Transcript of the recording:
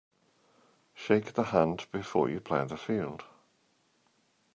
Shake the hand before you plough the field.